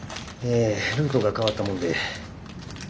ええルートが変わったもんで。